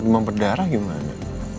dimampu darah gimana